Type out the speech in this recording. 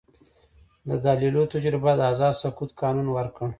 د ګالیلیو تجربه د آزاد سقوط قانون ورکړ.